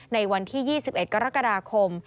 ในวันที่๒๑กรกฎาคม